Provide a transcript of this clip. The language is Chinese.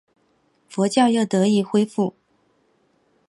佛教又得以恢复。